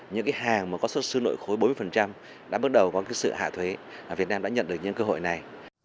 những hàng có xuất xứ nội khối bốn mươi đã bước đầu có sự hạ thuế việt nam đã nhận được những cơ hội này